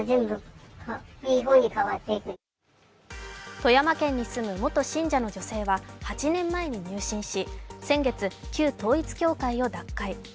富山県に住む元信者の女性は８年前に入信し先月、旧統一教会を脱会。